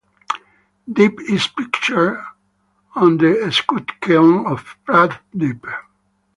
Dip is pictured on the escutcheon of Pratdip.